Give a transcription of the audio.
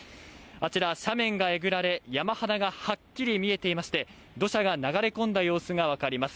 あちら、斜面がえぐられ、山肌がはっきり見えていまして、土砂が流れ込んだ様子がわかります。